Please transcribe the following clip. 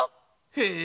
へえ。